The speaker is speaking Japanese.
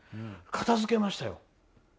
片づけましたよ。